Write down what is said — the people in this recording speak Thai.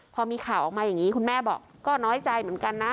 พอมีข่าวออกมาอย่างนี้คุณแม่บอกก็น้อยใจเหมือนกันนะ